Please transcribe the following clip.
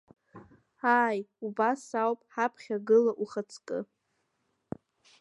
Ааи, убас ауп, ҳаԥхьагыла ухаҵкы.